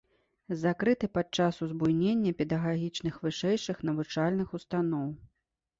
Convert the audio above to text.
Закрыты падчас узбуйнення педагагічных вышэйшых навучальных устаноў.